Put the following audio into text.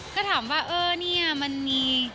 ก็ถามว่าเออเนี่ยมันมี